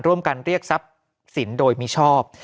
ร่วมกันเรียกทรัพย์สินโดยมิชอบ